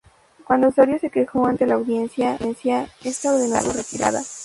Cuando Osorio se quejó ante la Audiencia, esta ordenó su retirada.